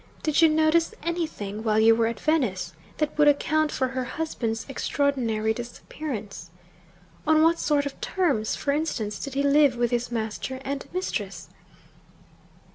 Did you notice anything, while you were at Venice, that would account for her husband's extraordinary disappearance? On what sort of terms, for instance, did he live with his master and mistress?'